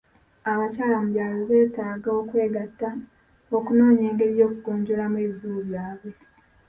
Abakyala mu byalo beetaaga okwegatta okunoonya engeri y'okugonjoola ebizibu byabwe.